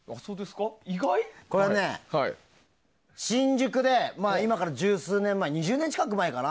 これは今から十数年前２０年近く前かな？